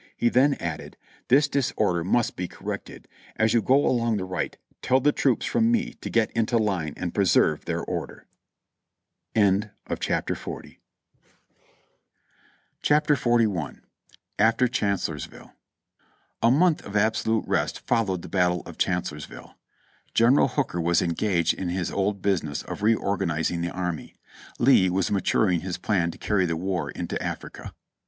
He then added : "This disorder must be corrected; as you go along the right, tell the troops from me, to get into line and preserve their order." CHAPTER XLI. AFTER CHANCEUvORSVILLE. A month of absolute rest followed the battle of Chancellors ville ; General Hooker was engaged in his old business of reor ganizing the army ; Lee was maturing his plan to carry the war into Africa.